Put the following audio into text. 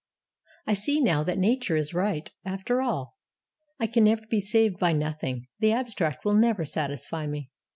I see now that Nature is right, after all. I can never be saved by Nothing. The abstract will never satisfy me.